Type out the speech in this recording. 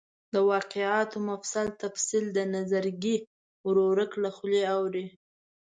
د واقعاتو مفصل تفصیل د نظرګي ورورک له خولې اوري.